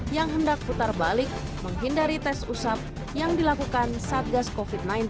yang hendak putar balik menghindari tes usap yang dilakukan satgas covid sembilan belas